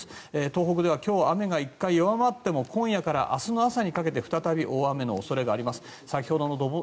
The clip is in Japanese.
東北では今日、雨が１回弱まっても今夜から明日の朝にかけて再び大雨の恐れがあります。